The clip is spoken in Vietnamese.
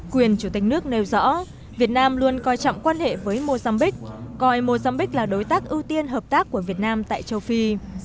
quyền chủ tịch nước nêu rõ việt nam luôn coi trọng quan hệ với mozambique coi mozambiqu là đối tác ưu tiên hợp tác của việt nam tại châu phi